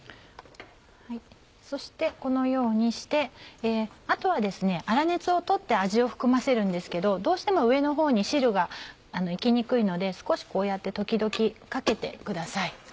そしてこのようにしてあとは粗熱をとって味を含ませるんですけどどうしても上のほうに汁が行きにくいので少しこうやって時々かけてください。